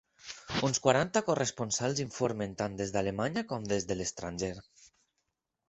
Uns quaranta corresponsals informen tant des d'Alemanya com des de l'estranger.